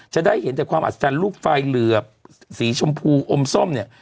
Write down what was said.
จะได้เห็นแต่ความอัศจรรย์ลูกไฟเหลือบสีชมพูอมส้มเนี่ย